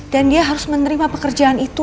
dan dia harus menerima pekerjaan itu